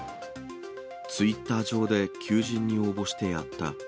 ツイッター上で、求人に応募してやった。